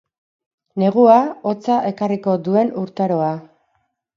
Negua, hotza ekarriko duen urtaroa.